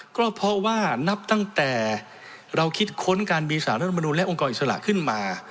ก็เพราะว่านับตั้งแต่เราคิดค้นการมีสารรัฐมนุนและองค์กรอิสระขึ้นมา